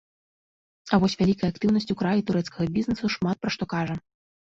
А вось вялікая актыўнасць у краі турэцкага бізнэсу шмат пра што кажа.